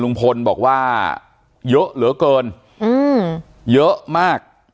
ลุงพลบอกว่าเยอะเหลือเกินอืมเยอะมาก